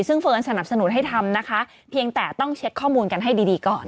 ซึ่งเฟิร์นสนับสนุนให้ทำนะคะเพียงแต่ต้องเช็คข้อมูลกันให้ดีก่อน